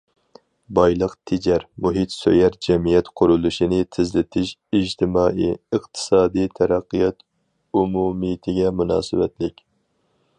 بايلىق تېجەر، مۇھىت سۆيەر جەمئىيەت قۇرۇلۇشىنى تېزلىتىش ئىجتىمائىي، ئىقتىسادىي تەرەققىيات ئومۇمىيىتىگە مۇناسىۋەتلىك.